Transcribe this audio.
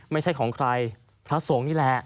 ไม่ใช่ของใครพระสงฆ์นี่แหละ